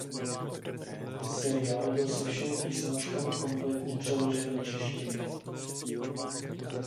Seriál byl se všemi písničkami kompletně přeložen do češtiny.